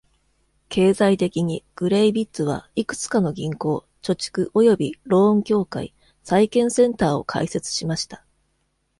経済的に、グレイヴィッツはいくつかの銀行、貯蓄およびローン協会、債券センターを開設しました。